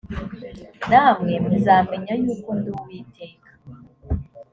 namwe muzamenya yuko ndi uwiteka